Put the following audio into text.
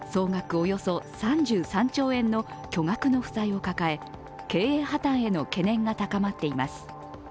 およそ３３兆円の巨額の負債を抱え、経営破綻への懸念が高まっています。